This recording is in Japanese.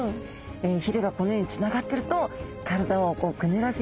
ひれがこのようにつながってると体をくねらせやすい。